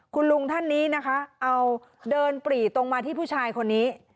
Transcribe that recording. คุณลุงท่านนี้นะคะเอาเดินปรีตรงมาที่ผู้ชายคนนี้